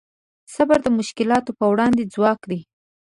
صبر د مشکلاتو په وړاندې ځواک دی.